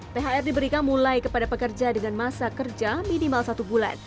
thr diberikan mulai kepada pekerja dengan masa kerja minimal satu bulan